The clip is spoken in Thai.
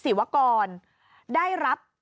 สวัสดีครับ